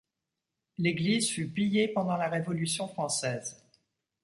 L'église fut pillée pendant la Révolution française.